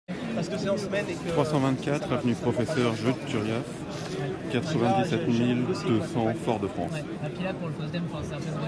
trois cent vingt-quatre avenue Professeur Judes Turiaf, quatre-vingt-dix-sept mille deux cents Fort-de-France